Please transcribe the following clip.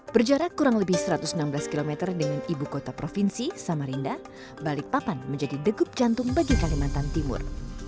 berjarak kurang lebih satu ratus enam belas km dengan ibu kota provinsi samarinda balikpapan menjadi degup jantung bagi kalimantan timur